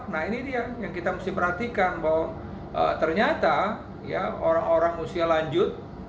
nah ini dia yang kita mesti perhatikan bahwa ternyata ya orang orang usia lanjut